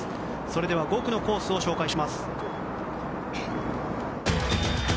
それでは５区のコースを紹介します。